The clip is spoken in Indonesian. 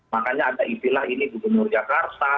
makanya ada istilah ini gubernur jakarta